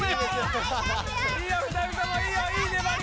いいよ二人ともいいよいいねばり！